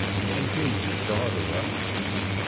Amek ay d-yusa ɣer da?